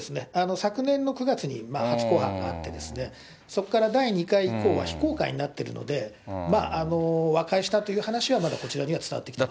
昨年の９月に初公判があって、そこから第２回以降は非公開になっているので、和解したという話は、まだこちらでは伝わってきてません。